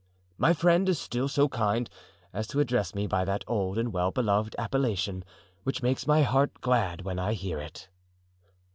My friend is still so kind as to address me by that old and well beloved appellation, which makes my heart glad when I hear it."